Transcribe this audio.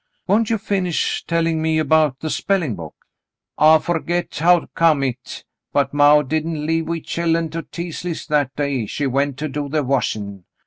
''Won't you finish telling me about the spelling book ?" "I forget how come hit, but maw didn't leave wechillen to Teasleys' that day she went to do the washin'.